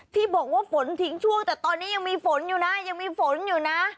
ที่บอกว่าฝนทิ้งช่วงแต่ตอนนี้ยังมีฝนอยู่นะยังมีฝนอยู่นะ